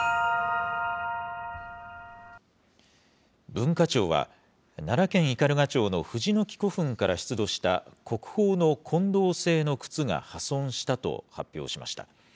文化庁は、奈良県斑鳩町の藤ノ木古墳から出土した国宝の金銅製のくつが破損したと発表しました。